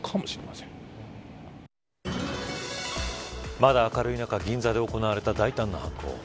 まだ明るい中、銀座で行われた大胆な犯行。